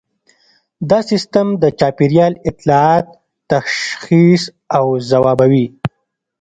دا سیستم د چاپیریال اطلاعات تشخیص او ځوابوي